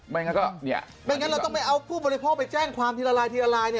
ก็ไม่งั้นเราต้องไปเอาผู้บริโภคไปแจ้งความทีละลายทีละลาย